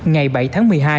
ngày bảy tháng một mươi hai